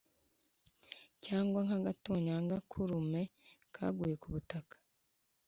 cyangwa nk’agatonyanga k’urume kaguye ku butaka.